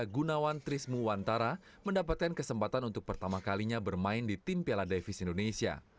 gunawan trismu wantara mendapatkan kesempatan untuk pertama kalinya bermain di tim piala davis indonesia